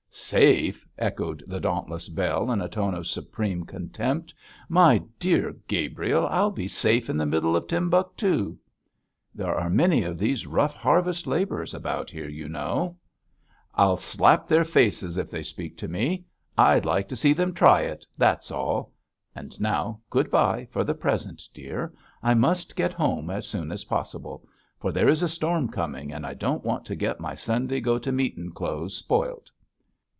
'Safe!' echoed the dauntless Bell, in a tone of supreme contempt. 'My dear Gabriel, I'd be safe in the middle of Timbuctoo!' 'There are many of these rough harvest labourers about here, you know.' 'I'll slap their faces if they speak to me. I'd like to see them try it, that's all. And now, good bye for the present, dear. I must get home as soon as possible, for there is a storm coming, and I don't want to get my Sunday go to meeting clothes spoilt.'